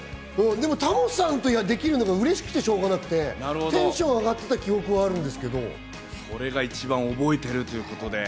タモさんとできるのがうれしくてしょうがなくてテンション上がってた記憶はあるんですこれが一番覚えてるということで。